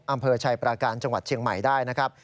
อำเภอชัยปราการจังหวัดเชียงใหม่ได้นะครับ